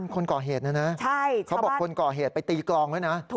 คนก่อเหตุนะนะเขาบอกคนก่อเหตุไปตีกลองด้วยนะ